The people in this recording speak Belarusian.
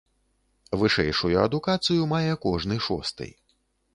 Вышэйшую адукацыю мае кожны шосты.